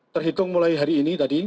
terhitung mulai hari ini tadi